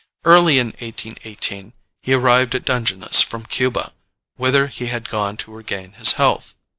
Early in 1818 he arrived at Dungeness from Cuba, whither he had gone to regain his health.